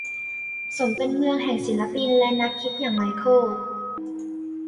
สมเป็นเมืองแห่งศิลปินและนักคิดอย่างไมเคิล